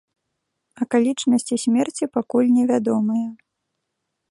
Акалічнасці смерці пакуль невядомыя.